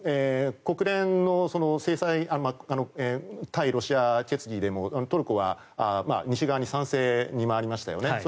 国連の制裁対ロシア決議でもトルコは西側に賛成に回りましたよね。